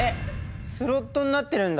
スロットになってるんだ。